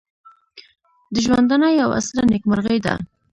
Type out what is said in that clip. د ژوندانه یوه ستره نېکمرغي ده.